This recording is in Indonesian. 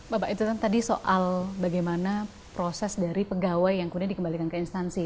bapak itu kan tadi soal bagaimana proses dari pegawai yang kemudian dikembalikan ke instansi